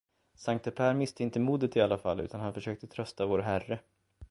Sankte Per miste inte modet i alla fall, utan han försökte trösta Vår Herre.